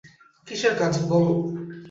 কিসের কাজ, বলো।